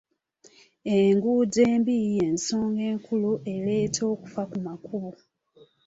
Enguudo embi y'ensonga enkulu ereeta okufa ku makubo.